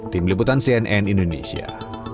tim liputan cnn indonesia